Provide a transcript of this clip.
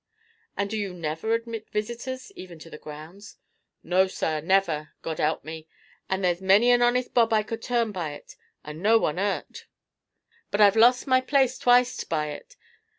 "And do you never admit visitors, even to the grounds?" "No, sir, never, God 'elp me! and there's many an honest bob I could turn by ut, and no one 'urt. But I've lost my place twic't by ut.